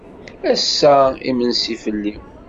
Ass-a imensi fell-i.